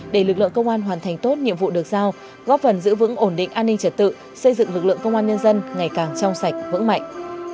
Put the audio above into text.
để lực lượng công an hoàn thành tốt nhiệm vụ được giao góp phần giữ vững ổn định an ninh trật tự xây dựng lực lượng công an nhân dân ngày càng trong sạch vững mạnh